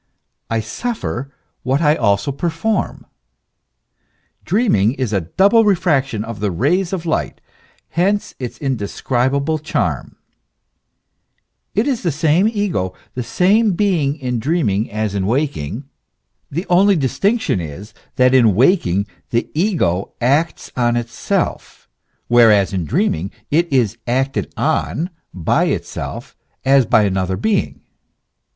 I suffer what I also perform. Dreaming is a double refraction of the rays of light; hence its indescribable charm. It is the same ego, the same being in dreaming as in waking ; 140 THE ESSENCE OF CHRISTIANITY. the only distinction is, that in waking, the ego acts on itself; whereas in dreaming, it is acted on by itself as by another being.